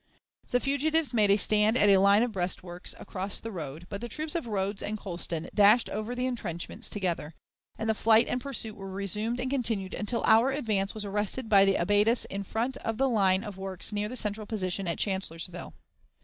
The fugitives made a stand at a line of breastworks across the road, but the troops of Rodes and Colston dashed over the intrenchments together, and the flight and pursuit were resumed and continued until our advance was arrested by the abatis in front of the line of works near the central position at Chancellorsville.